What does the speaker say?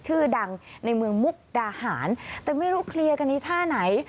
ชื่อดังในเมืองมุกดาหารแต่ไม่รู้เคลียร์กันในท่าไหน